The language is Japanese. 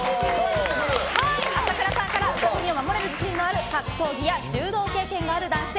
朝倉さんからウサ耳を守れる自信のある格闘技や柔道経験がある男性